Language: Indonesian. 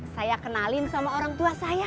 saya kenalin sama orang tua saya